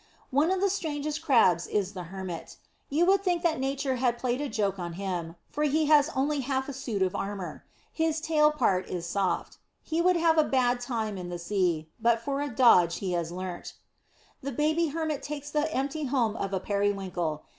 One of the strangest Crabs is the Hermit. You would think that Nature had played a joke on him, for he has only half a suit of armour. His tail part is soft. He would have a bad time in the sea, but for a dodge he has learnt. The baby Hermit takes the empty home of a periwinkle.